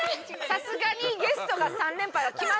さすがにゲストが３連敗は気まずい。